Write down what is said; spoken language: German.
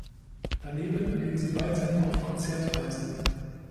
Daneben ging sie weiterhin auf Konzertreisen.